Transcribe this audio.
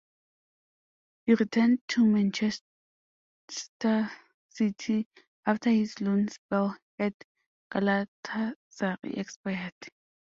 He returned to Manchester City after his loan spell at Galatasaray expired.